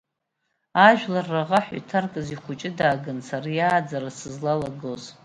Ажәлар раӷа ҳәа иҭаркыз ихәыҷы дааганы сара иааӡара сызлалагоз?!